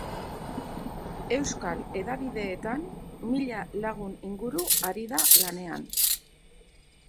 Euskal hedabideetan mila lagun inguru ari da lanean.